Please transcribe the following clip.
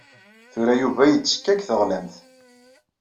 Tura Yuba yettekka deg teɣlamt.